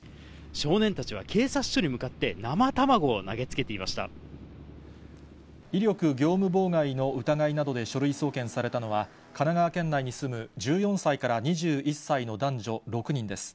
少年たちは警察署に向かって、威力業務妨害の疑いなどで書類送検されたのは、神奈川県内に住む１４歳から２１歳の男女６人です。